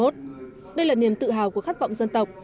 đây là niềm tự hào của khát vọng dân tộc